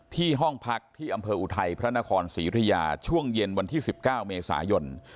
ห้องพักที่อำเภออุทัยพระนครศรียุธยาช่วงเย็นวันที่๑๙เมษายน